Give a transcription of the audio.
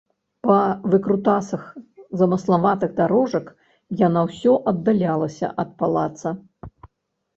Па выкрутасах замыславатых дарожак яна ўсё аддалялася ад палаца.